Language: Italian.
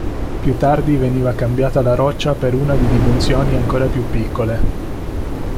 Più tardi veniva cambiata la roccia per una di dimensioni ancora più piccole.